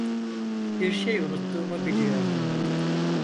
Bir şey unuttuğumu biliyordum.